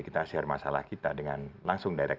kita share masalah kita dengan langsung direct